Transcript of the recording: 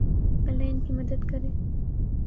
اللہ ان کی مدد کرے